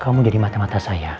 kau mau jadi mata mata saya